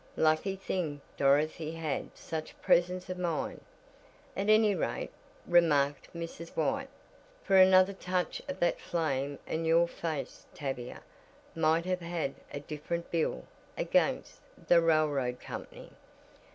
"Lucky thing Dorothy had such presence of mind, at any rate," remarked Mrs. White, "for another touch of that flame and your face, Tavia, might have had a different bill against the railroad company.